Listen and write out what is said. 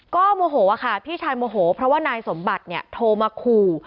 ก็โมโหค่ะพี่ชายโมโหเพราะว่านายสมบัติเนี่ยโทรมาขู่